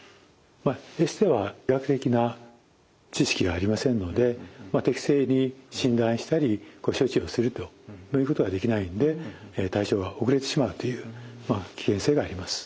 エステは医学的な知識がありませんので適正に診断したり処置をするということはできないので対処が遅れてしまうという危険性があります。